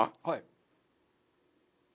はい。